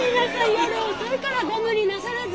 夜遅いからご無理なさらず。